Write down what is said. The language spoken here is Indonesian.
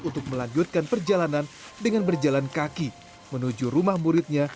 untuk melanjutkan perjalanan dengan berjalan kaki menuju rumah muridnya